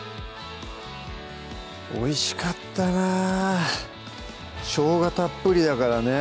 おいしかったなぁしょうがたっぷりだからね